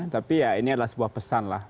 tapi ya ini adalah sebuah pesan lah